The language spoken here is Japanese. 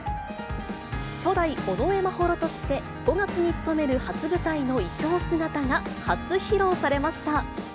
初代、尾上眞秀として５月に勤める初舞台の衣装姿が初披露されました。